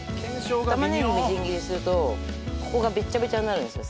玉ねぎみじん切りするとここがベッチャベチャになるんですよ